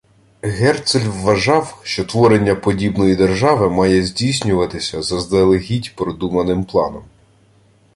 Герцль вважав, що творення подібної держави має здійснюватися за заздалегідь продуманим планом.